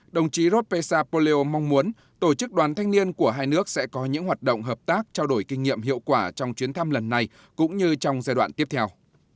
đồng chí rod pesapoleo mong muốn tổ chức đoàn thanh niên của hai nước sẽ có những hoạt động hợp tác trao đổi kinh nghiệm hiệu quả trong chuyến thăm lần này cũng như trong giai đoạn tiếp theo